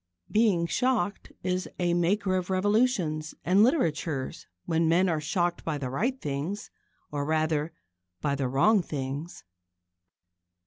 Being shocked is a maker of revolutions and literatures when men are shocked by the right things or, rather, by the wrong things.